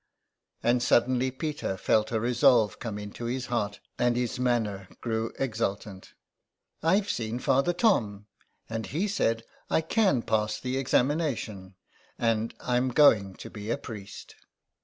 And suddenly Peter felt a resolve come into his heart, and his manner grew exultant. " I've seen Father Tom, and he said I can pass the examination. I'm going to be a priest."